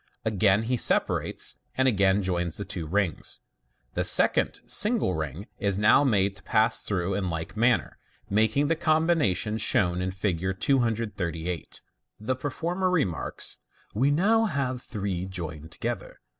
Again he separates and again joins the two rings. The second single ring is now made to pass through in like manner, making the combination shown in Fig. 238. The performer remarks, "We now have three joined to gether.